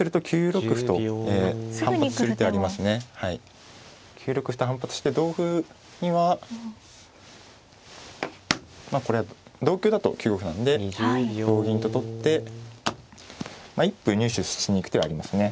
９六歩と反発して同歩にはこれ同香だと９五歩なので同銀と取って一歩入手しに行く手はありますね。